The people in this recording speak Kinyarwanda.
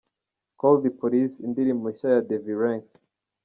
'Call The Police' indirimbo nshya ya Davy Ranks.